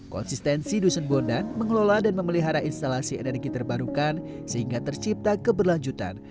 konsistensi dusun bondan mengelola dan memelihara instalasi energi terbarukan sehingga tercipta keberlanjutan